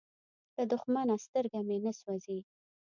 له دښمنه سترګه مې نه سوزي.